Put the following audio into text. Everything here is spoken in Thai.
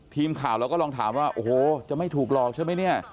ทีมข่าวเราก็ลองถามว่าโอ้โหจะไม่ถูกหลอกใช่ไหมเนี่ย